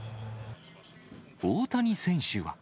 大谷選手は。